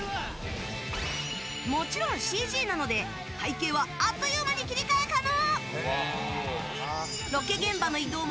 もちろんＣＧなので、背景はあっという間に切り替え可能。